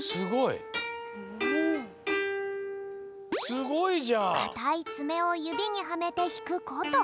すごい！かたいつめをゆびにはめてひくこと。